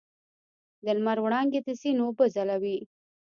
د لمر وړانګې د سیند اوبه ځلوي.